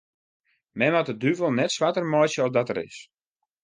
Men moat de duvel net swarter meitsje as dat er is.